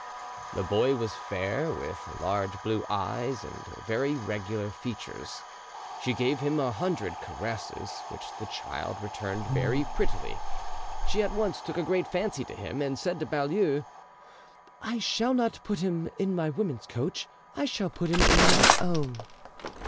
The boy was fair, with large blue eyes and very regular features, She gave him a hundred caresses, which the child returned very prettily. She at once took a great fancy to him, and said to Baulieu, "I shall not put him in my women's coach; I shall put him in my own."